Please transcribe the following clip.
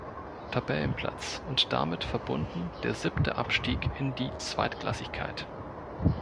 Tabellenplatz und damit verbunden der siebte Abstieg in die Zweitklassigkeit.